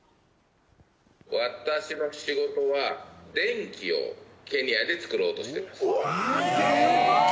私の仕事は電気をケニアで作ろうとしてます。